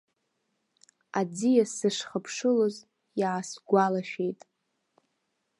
Аӡиас сышхыԥшылоз, иаасгәалашәеит.